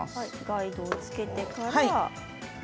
ガイドをつけてから。